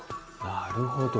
なるほど。